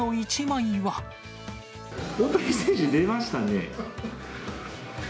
大谷選手、出ましたね！